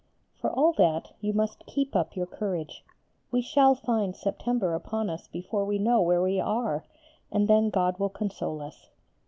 For all that, you must keep up your courage; we shall find September upon us before we know where we are, and then God will console us.